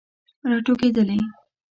راټوکیدلې